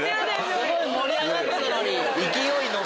すごい盛り上がってたのに。